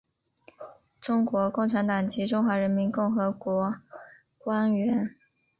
中国共产党及中华人民共和国官员。